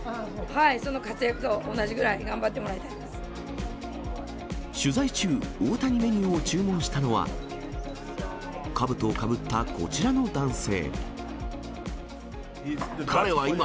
その活躍と同じぐらい頑張っても取材中、大谷メニューを注文したのは、かぶとをかぶったこちらの男性。